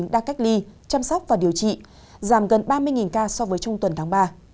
đã cách ly chăm sóc và điều trị giảm gần ba mươi ca so với trong tuần tháng ba